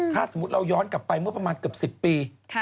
ถ้าสมมุติเราย้อนกลับไปเมื่อประมาณเกือบ๑๐ปี